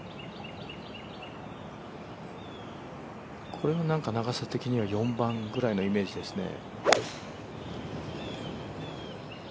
これは長さ的には４番ぐらいのイメージですね。